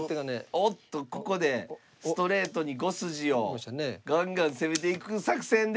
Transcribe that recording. おっとここでストレートに５筋をガンガン攻めていく作戦で。